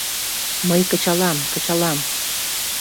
Мый кычалам, кычалам!